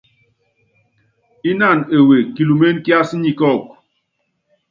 Ínánɔ ewe kilúméne kiású nyi kɔ́ɔ́kɔ.